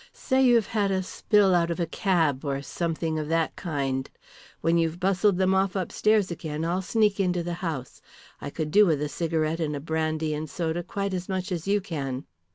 Say you have had a spill out of a cab or something of that kind. When you have bustled them off upstairs again I'll sneak into the house. I could do with a cigarette and a brandy and soda quite as much as you can."